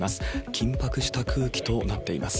緊迫した空気となっています。